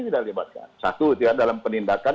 tidak dibatkan satu dalam penindakan